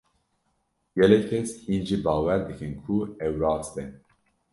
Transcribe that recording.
Gelek kes hîn jî bawer dikin ku ew rast e.